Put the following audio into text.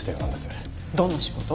どんな仕事？